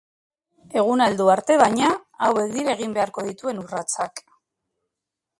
Eguna heldu arte, baina, hauek dira egin beharko dituen urratsak.